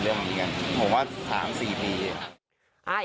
ผมว่า๓๔ปี